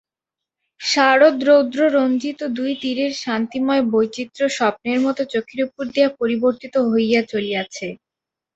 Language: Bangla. শারদরৌদ্ররঞ্জিত দুই তীরের শান্তিময় বৈচিত্র্য স্বপ্নের মতো চোখের উপর দিয়া পরিবর্তিত হইয়া চলিয়াছে।